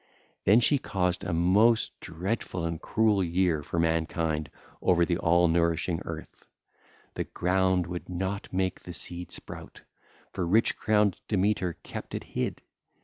Then she caused a most dreadful and cruel year for mankind over the all nourishing earth: the ground would not make the seed sprout, for rich crowned Demeter kept it hid.